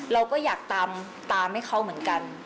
เราก็อยากตามให้เขาเหมือนกัน